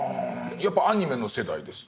やっぱアニメの世代です。